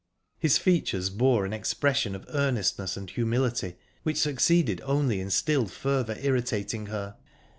His features bore an expression of earnestness and humility which succeeded only in still further irritating her.